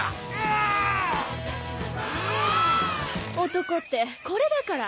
男ってこれだから。